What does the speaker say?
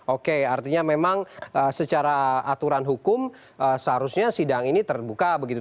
oke artinya memang secara aturan hukum seharusnya sidang ini terbuka begitu